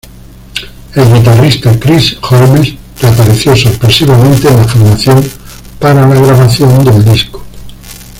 El guitarrista Chris Holmes reapareció sorpresivamente en la formación para la grabación del disco.